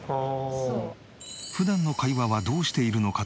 普段の会話はどうしているのかというと。